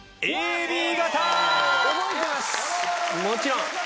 もちろん。